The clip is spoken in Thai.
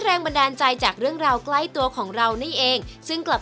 แรงบันดาลใจจากเรื่องราวใกล้ตัวของเรานี่เองซึ่งกลับ